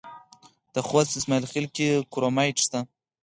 د خوست په اسماعیل خیل کې کرومایټ شته.